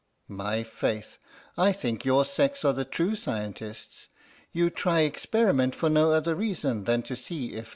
My faith, I think your sex are the true scientists: you try experiment for no other reason than to see effect."